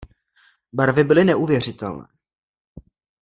Barvy byly neuvěřitelné.